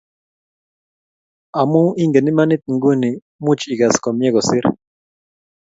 Amu ingen imanit nguni much ikas komie kosir